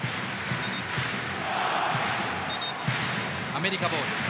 アメリカボール。